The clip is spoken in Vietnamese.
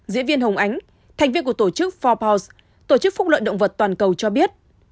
diễn viên hồng ánh thành viên của tổ chức forbource tổ chức phúc lợi động vật toàn cầu cho biết